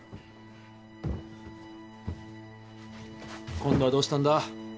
今度はどうしたんだ？